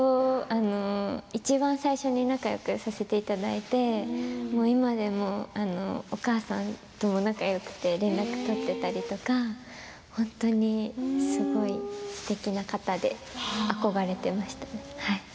いちばん最初に仲よくさせていただいて今でもお母さんとも仲がよくて連絡取ってたりとか本当にすごいすてきな方で憧れていました。